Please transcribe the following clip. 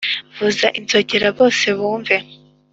Vuza inzogera bose bumve